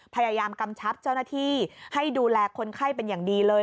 พยายามกำชับเจ้าหน้าที่ให้ดูแลคนไข้เป็นอย่างดีเลย